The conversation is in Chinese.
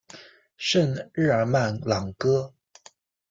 圣日尔曼朗戈。